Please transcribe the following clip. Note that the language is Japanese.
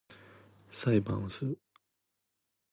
裁判をする